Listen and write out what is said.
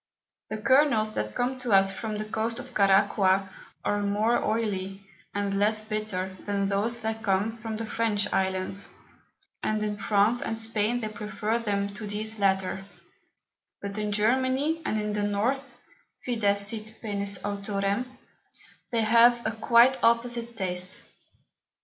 The Kernels that come to us from the Coast of Caraqua, are more oily, and less bitter, than those that come from the French Islands, and in France and Spain they prefer them to these latter: But in Germany, and in the North (Fides sit penes Autorem) they have a quite opposite Taste.